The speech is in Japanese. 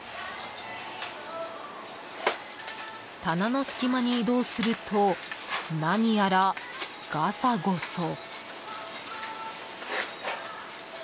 棚の隙間に移動すると何やら、がさごそ。